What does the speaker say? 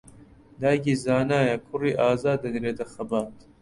دایکی زانایە کوڕی ئازا دەنێرێتە خەبات